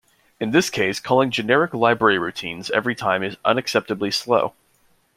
In this case, calling generic library routines every time is unacceptably slow.